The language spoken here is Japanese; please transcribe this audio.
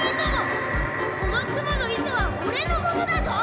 この蜘蛛の糸は己のものだぞ。